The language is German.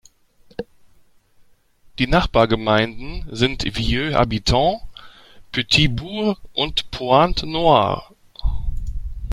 Die Nachbargemeinden sind Vieux-Habitants, Petit-Bourg und Pointe-Noire.